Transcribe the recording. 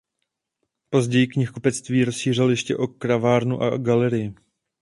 Později knihkupectví rozšířili ještě o kavárnu a galerii.